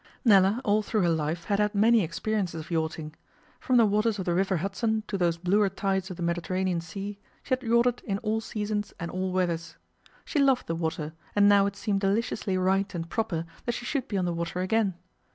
Nella all through her life had had many experiences of yachting. From the waters of the River Hudson to those bluer tides of the Mediterranean Sea, she had yachted in all seasons and all weathers. She loved the water, and now it seemed deliciously right and proper that she should be on the water again.